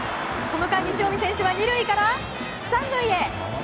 その間、塩見選手は２塁から３塁へ。